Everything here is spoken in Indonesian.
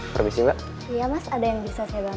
terima kasih boy